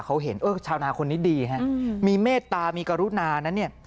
เขาเห็นชาวนาคนนี้ดีมีเมฆตามีกรุณานั้นเนี่ย